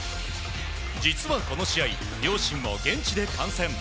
実はこの試合、両親も現地で観戦。